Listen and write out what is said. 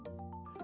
museum dan galeri